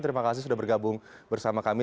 terima kasih sudah bergabung bersama kami